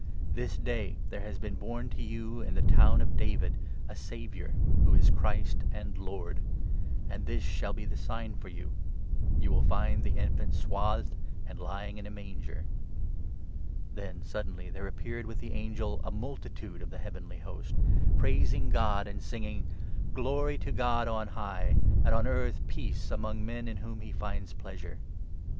This day there 1 1 has been born to you, in the town of David, a Saviour, who is Christ and Lord. And this shall be the sign for you. You 12 will find the infant swathed, and lying in a manger." Then suddenly there appeared with the angel a multitude of 13 the heavenly Host, praising God, and singing —" Glory to God on high, 14 And on earth peace among men in whom he finds pleasure."